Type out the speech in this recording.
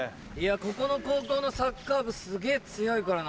ここの高校のサッカー部すげぇ強いからな。